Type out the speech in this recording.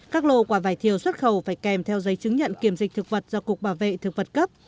các lô quả vải thiều xuất khẩu phải kèm theo giấy chứng nhận kiểm dịch thực vật do cục bảo vệ thực vật cấp